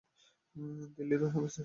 দিল্লিরই হবে, স্যার।